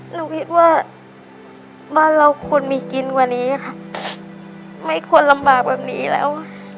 หนูคิดว่าบ้านเราควรมีกินกว่านี้ค่ะไม่ควรลำบากแบบนี้แล้ว